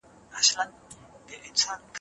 يا يوه نوې کلمه وي.